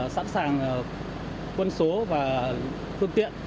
sẵn sàng quân số và phương tiện